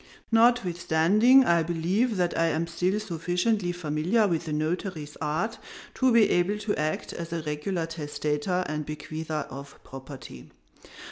Notwithstanding, I believe that I am still sufficiently familiar with the notary's art to be able to act as a regular testator and bequeather of property.